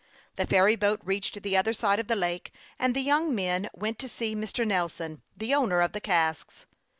The ferry boat reached the other side of the lake,, and the young men went to see Mr. Xelson, the owner of the casks.